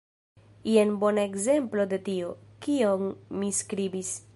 Jen bona ekzemplo de tio, kion mi skribis.